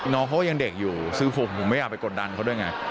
น้องเขาก็ยังเด็กอยู่คือผมไม่อยากไปกดดันเขาด้วยไง